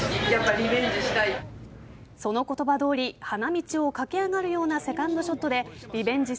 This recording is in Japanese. その言葉どおり花道を駆け上がるようなセカンドショットでリベンジ